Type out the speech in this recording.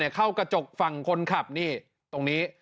เข้ากระจกฝั่งคนขับนี่ตรงนี้